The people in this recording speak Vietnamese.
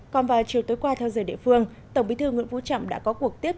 còn vào chiều tối qua theo giờ địa phương tổng bí thư nguyễn phú trọng đã có cuộc tiếp